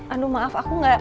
aduh maaf aku nggak